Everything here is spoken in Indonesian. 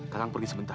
kakak pergi sebentar